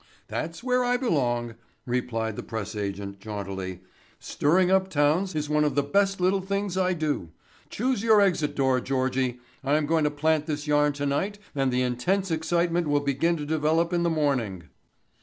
"That's where I belong," replied the press agent jauntily. "Stirring up towns is one of the best little things I do. Choose your exit door, Georgie. I'm going to plant this yarn tonight and the intense excitement will begin to develop in the morning."